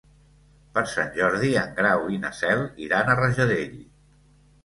Per Sant Jordi en Grau i na Cel iran a Rajadell.